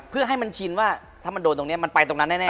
เพื่อให้มันชินว่าถ้ามันโดนตรงนี้มันไปตรงนั้นแน่